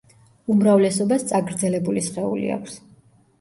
უმრავლესობას წაგრძელებული სხეული აქვს.